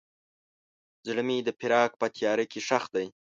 زړه مې د فراق په تیاره کې ښخ دی.